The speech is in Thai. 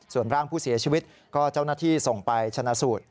ส่วนร่างผู้เสียชีวิตก็เจ้าหน้าที่ส่งไปชนะสูตร